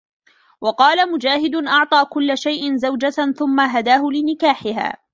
وَقَالَ مُجَاهِدٌ أَعْطَى كُلَّ شَيْءِ زَوْجَةً ثُمَّ هَدَاهُ لِنِكَاحِهَا